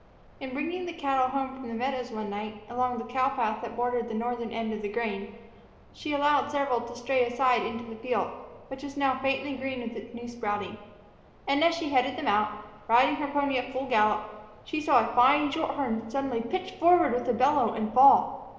In bringing the cattle home from the meadows one night, along the cow path that bordered the northern end of the grain, she allowed several to stray aside into the field, which was now faintly green with its new sprouting. And as she headed them out, riding her pony at full gallop, she saw a fine shorthorn suddenly pitch forward with a bellow and fall.